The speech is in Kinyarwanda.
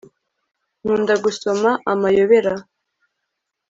nkunda gusoma amayobera